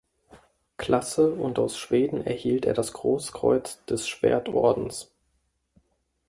Klasse und aus Schweden erhielt er das Großkreuz des Schwertordens.